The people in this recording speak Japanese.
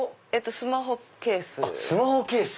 スマホケース。